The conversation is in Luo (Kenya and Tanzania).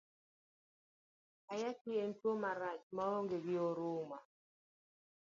Ayaki en tuo marach maonge gi oruma.